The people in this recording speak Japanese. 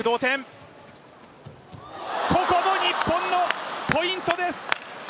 ここも日本のポイントです！